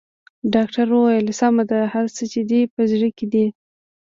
ډاکټر وويل سمه ده هر څه چې دې په زړه کې دي.